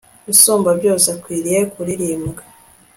usumba byose akwiriye kuririmbwa